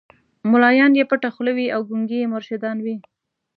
مُلایان یې پټه خوله وي او ګونګي یې مرشدان وي